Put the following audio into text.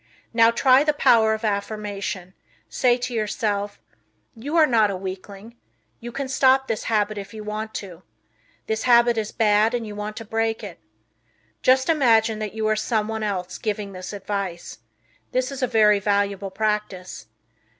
Now try the power of affirmation; say to yourself, "You are not a weakling; you can stop this habit if you want to. This habit is bad and you want to break it." Just imagine that you are some one else giving this advice. This is very valuable practice.